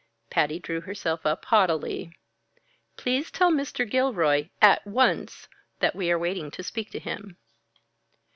Patty drew herself up haughtily. "Please tell Mr. Gilroy at once that we are waiting to speak to him."